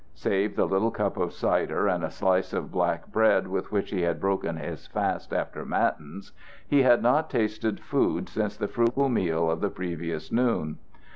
Save the little cup of cider and a slice of black bread with which he had broken his fast after matins, he had not tasted food since the frugal meal of the previous noon.